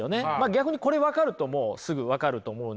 逆にこれ分かるともうすぐ分かると思うんですが。